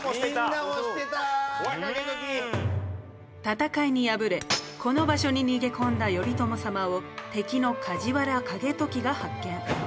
戦いに敗れこの場所に逃げ込んだ頼朝様を敵の梶原景時が発見。